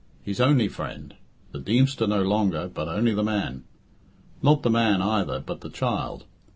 His only friend! The Deemster no longer, but only the man. Not the man either, but the child.